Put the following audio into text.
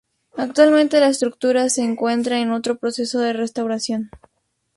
Actualmente la estructura se encuentra en otro proceso de restauración.